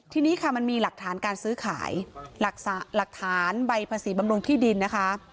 ทีนี้ค่ะมันมีหลักฐานการซื้อขายหลักฐานใบภาษีบำรุงที่ดินนะคะ